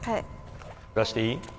出していい？